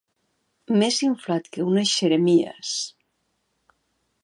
Més inflat que unes xeremies.